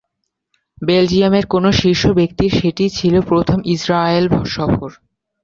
বেলজিয়ামের কোন শীর্ষ ব্যক্তির সেটিই ছিল প্রথম ইসরায়েল সফর।